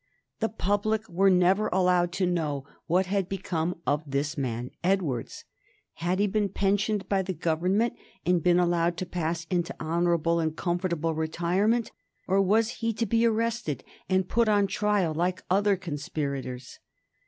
The public were never allowed to know what had become of this man Edwards. Had he been pensioned by the Government and been allowed to pass into honorable and comfortable retirement, or was he to be arrested and put on his trial like other conspirators?